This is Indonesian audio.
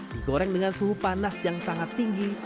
digoreng dengan suhu panas yang sangat tinggi